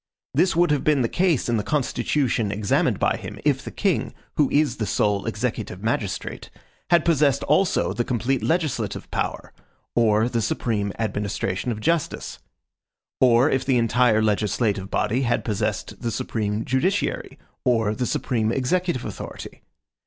This would have been the case in the constitution examined by him, if the king, who is the sole executive magistrate, had possessed also the complete legislative power, or the supreme administration of justice; or if the entire legislative body had possessed the supreme judiciary, or the supreme executive authority.